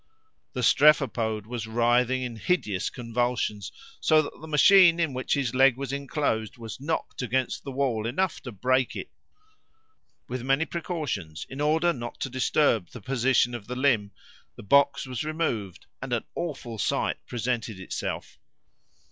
The strephopode was writhing in hideous convulsions, so that the machine in which his leg was enclosed was knocked against the wall enough to break it. With many precautions, in order not to disturb the position of the limb, the box was removed, and an awful sight presented itself.